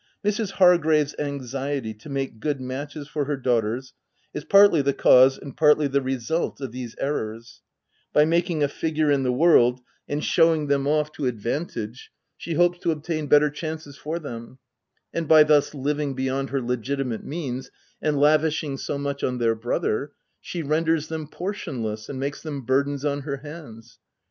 Mrs. Hargrave's anxiety to make good matches for her daughters is partly the cause and partly the result of these errors : by making a figure in the world and shewing them off to 132 THE TENANT advantage, she hopes to obtain better chances for them ; and by thus living beyond her legi timate means and lavishing so much on their brother, she renders them portionless, and makes them burdens on her hands.